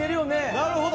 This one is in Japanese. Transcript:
なるほど。